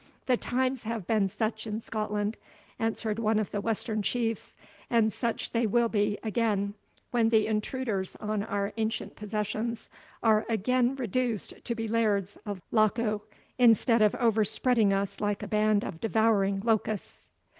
"The times have been such in Scotland," answered one of the Western Chiefs, "and such they will again be, when the intruders on our ancient possessions are again reduced to be Lairds of Lochow instead of overspreading us like a band of devouring locusts."